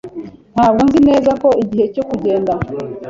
Ntabwo nzi neza ko igihe cyo kugenda.